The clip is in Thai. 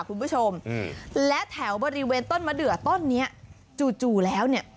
คุณผู้ชมอืมและแถวบริเวณต้นมะเดือต้นเนี้ยจู่จู่แล้วเนี่ย